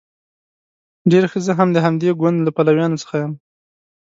ډیر ښه زه هم د همدې ګوند له پلویانو څخه یم.